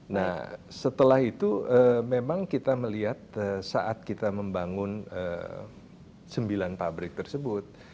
nah setelah itu memang kita melihat saat kita membangun sembilan pabrik tersebut